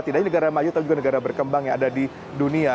tidak hanya negara maju tapi juga negara berkembang yang ada di dunia